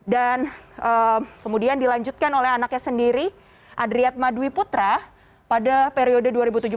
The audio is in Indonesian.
dan kemudian dilanjutkan oleh anaknya sendiri adriat madwi putra pada periode dua ribu tujuh belas dua ribu dua puluh dua